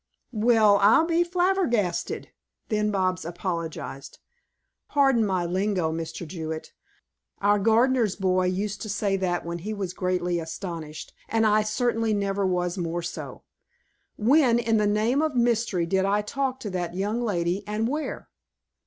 "Well, I'll be flabbergasted!" Then Bobs apologized. "Pardon my lingo, Mr. Jewett. Our gardener's boy used to say that when he was greatly astonished, and I certainly never was more so. When, in the name of mystery, did I talk to that young lady, and where?"